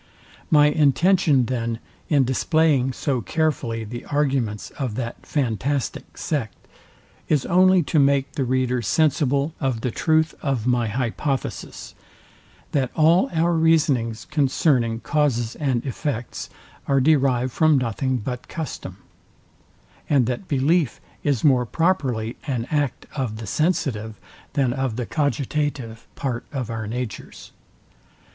My intention then in displaying so carefully the arguments of that fantastic sect, is only to make the reader sensible of the truth of my hypothesis, that all our reasonings concerning causes and effects are derived from nothing but custom; and that belief is more properly an act of the sensitive, than of the cogitative part of our natures.